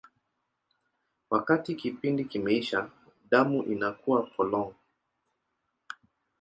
Wakati kipindi kimeisha, damu inakuwa polong.